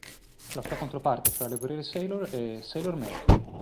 La sua controparte fra le guerriere sailor è Sailor Mercury.